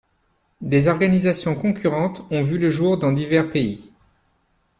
Des organisations concurrentes ont vu le jour dans divers pays.